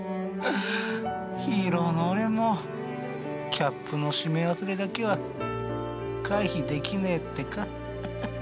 ヒーローの俺もキャップの閉め忘れだけは回避できねえってかハハ。